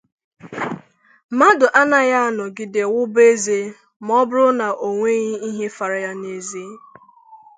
Mmadụ anaghị anọgide ghụba eze ma ọ bụrụ na o nweghị ihe fara ya n'eze